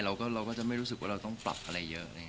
เราก็จะไม่รู้สึกว่าเราต้องปรับอะไรเยอะ